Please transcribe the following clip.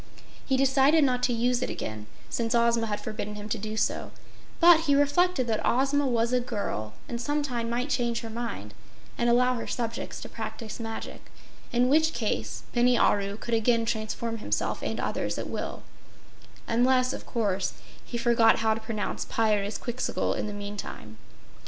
He decided not to use it again, since Ozma had forbidden him to do so, but he reflected that Ozma was a girl and some time might change her mind and allow her subjects to practice magic, in which case Bini Aru could again transform himself and others at will, unless, of course, he forgot how to pronounce Pyrzqxgl in the meantime.